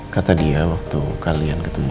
kata dia waktu kalian ketemu